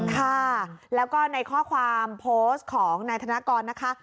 ค่ะแล้วก็ในข้อความโพสต์ของนายธนกรนะคะ